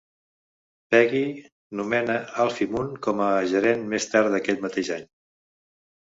Peggy nomena Alfie Moon com a gerent més tard aquell mateix any.